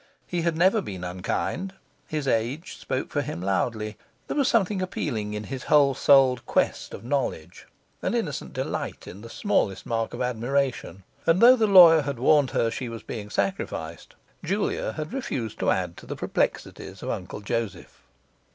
He had never been unkind; his age spoke for him loudly; there was something appealing in his whole souled quest of knowledge and innocent delight in the smallest mark of admiration; and, though the lawyer had warned her she was being sacrificed, Julia had refused to add to the perplexities of Uncle Joseph.